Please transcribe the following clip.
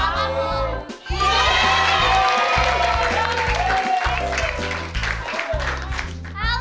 inteng bisa sih soup